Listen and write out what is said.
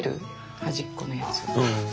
端っこのやつを。